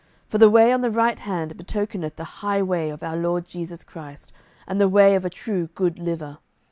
For the way on the right hand betokeneth the high way of our Lord Jesu Christ, and the way of a true good liver.